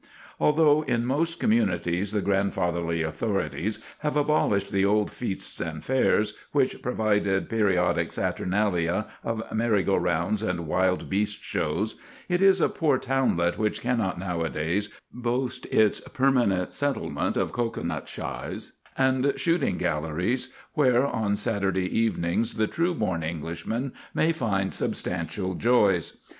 Although in most communities the grandfatherly authorities have abolished the old feasts and fairs, which provided periodic saturnalia of merry go rounds and wild beast shows, it is a poor townlet which cannot nowadays boast its permanent settlement of cocoanut shies and shooting galleries, where on Saturday evenings the true born Englishman may find substantial joys.